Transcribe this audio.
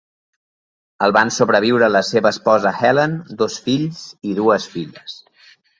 El van sobreviure la seva esposa Helen, dos fills i dues filles.